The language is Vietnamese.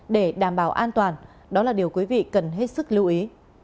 để đảm bảo an toàn đó là điều quý vị cần hết sức lưu ý